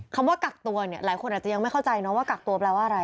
คำว่ากักตัวเนี่ยหลายคนอาจจะยังไม่เข้าใจนะว่ากักตัวแปลว่าอะไร